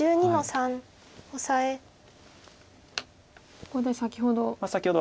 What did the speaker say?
ここで先ほど。